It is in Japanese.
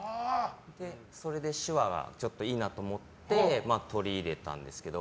それで手話がいいなと思って取り入れたんですけど。